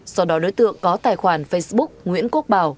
sau đó đối tượng có tài khoản facebook nguyễn quốc bảo